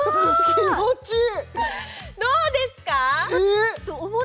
気持ちいい！